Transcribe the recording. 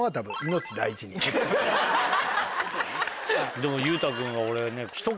でも裕太君が俺ね。